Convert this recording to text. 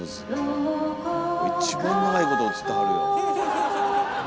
一番長いこと映ってはるよ。